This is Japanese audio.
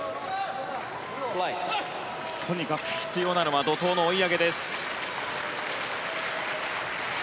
とにかく必要なのは怒涛の追い上げです。